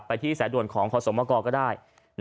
ไปที่แสดวนของขอสมกรก็ได้